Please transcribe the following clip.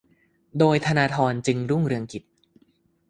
โดยธนาธร จึงรุ่งเรืองกิจ